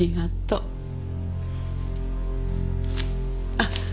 あっ。